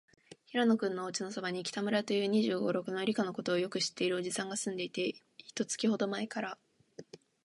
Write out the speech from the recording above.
平野君のおうちのそばに、北村という、二十五、六歳の、理科のことをよく知っているおじさんがすんでいて、一月ほどまえから、